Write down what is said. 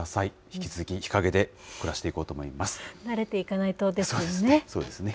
引き続き、日陰で暮らしていこう慣れていかないとですね。